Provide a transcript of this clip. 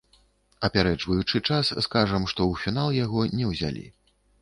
Апярэджваючы час, скажам, што ў фінал яго не ўзялі.